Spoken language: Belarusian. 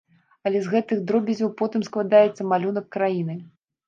Але з гэтых дробязяў потым складаецца малюнак краіны.